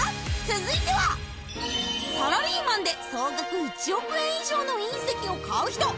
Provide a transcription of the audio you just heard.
続いてはサラリーマンで総額１億円以上の隕石を買う人